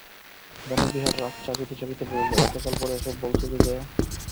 বনবিহার রাগ চাপিতে চাপিতে বলিল, এতকাল পরে এসব বলছ যে জয়া?